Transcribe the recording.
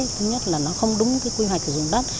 thứ nhất là nó không đúng quy hoạch sử dụng đất